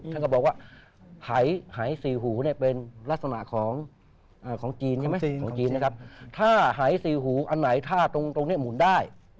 ท่านก็บอกว่าหายสี่หูเป็นลักษณะของจีนถ้าหายสี่หูอันไหนถ้าตรงนี้หมุนได้